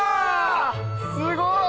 すごい！